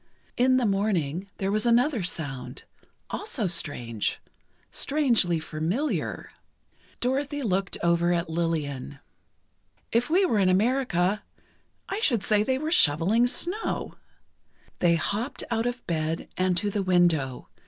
In the morning, there was another sound—also strange—strangely familiar. Dorothy looked over at Lillian. "If we were in America, I should say they were shoveling snow." They hopped out of bed, and to the window.